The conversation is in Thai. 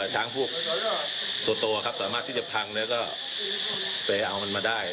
ช้างพวกตัวสามารถที่จะพังก็ไปเอามันมาได้